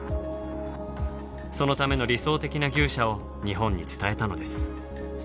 そのための理想的な牛舎を日本に伝えたのです。